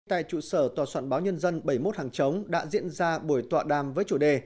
tại trụ sở tòa soạn báo nhân dân bảy mươi một hàng chống đã diễn ra buổi tọa đàm với chủ đề